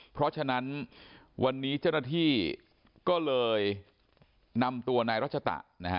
เพราะฉะนั้นวันนี้เจ้าหน้าที่ก็เลยนำตัวนายรัชตะนะฮะ